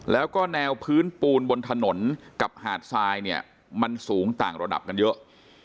แล้วก็แนวพื้นปูนบนถนนกับหาดทรายเนี่ยมันสูงต่างระดับกันเยอะ